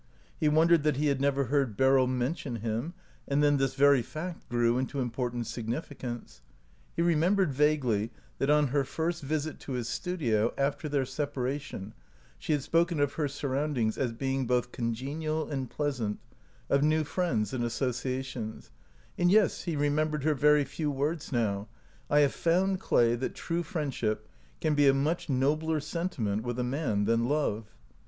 He wondered that he had never heard 194 OUT OF BOHEMIA Beryl mention him, and then this very fact grew into important significance. He re membered vaguely that on her first visit to his studio, after their separation, she had spoken of her surroundings as being both congenial ai^ pleasant, — of new friends and associations, — and, yes, he remembered her very few words now, " I have found, Clay, that true friendship can be a much nobler sentiment with a man than love."